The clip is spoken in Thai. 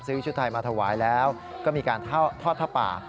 ชุดไทยมาถวายแล้วก็มีการทอดผ้าป่า